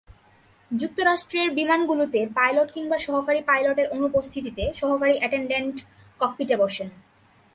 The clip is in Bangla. যুক্তরাষ্ট্রের বিমানগুলোতে পাইলট কিংবা সহকারী পাইলটের অনুপস্থিতে সহকারী অ্যাটেন্ডডেন্ট ককপিটে বসেন।